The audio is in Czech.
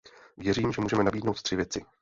Věřím, že můžeme nabídnout tři věci.